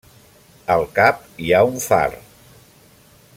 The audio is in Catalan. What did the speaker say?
Al cap hi ha un far.